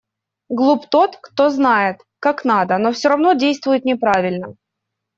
Глуп тот, кто знает, как надо, но всё равно действует неправильно.